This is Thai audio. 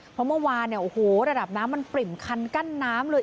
เพราะเมื่อวานระดับน้ำมันปริ่มคันกั้นน้ำเลย